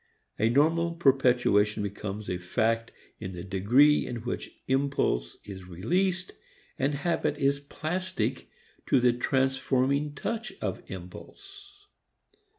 A normal perpetuation becomes a fact in the degree in which impulse is released and habit is plastic to the transforming touch of impulse.